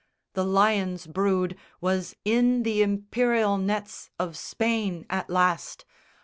The lion's brood was in the imperial nets Of Spain at last.